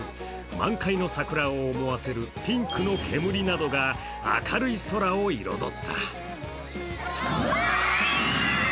満開の桜を思わせるピンクの煙などが明るい空を彩った。